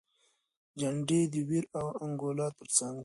جنډې د ویر او انګولاوو تر څنګ دي.